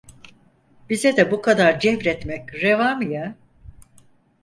Bize de bu kadar cevretmek reva mı ya?